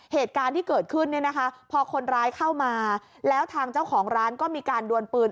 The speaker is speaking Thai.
เหตุการณ์ที่เกิดขึ้นเนี่ยนะคะพอคนร้ายเข้ามาแล้วทางเจ้าของร้านก็มีการดวนปืน